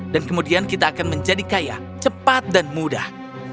dan kemudian kita akan menjadi kaya cepat dan mudah